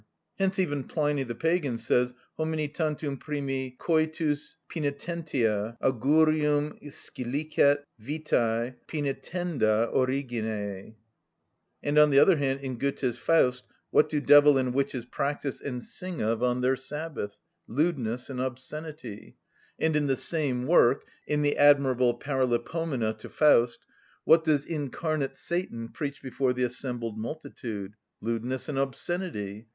Hence even Pliny, the pagan, says: "Homini tantum primi coitus pœnitentia, augurium scilicet vitæ, a pœnitenda origine" (Hist. Nat., x. 83). And, on the other hand, in Goethe's "Faust," what do devil and witches practise and sing of on their Sabbath? Lewdness and obscenity. And in the same work (in the admirable "Paralipomena" to "Faust") what does incarnate Satan preach before the assembled multitude? Lewdness and obscenity.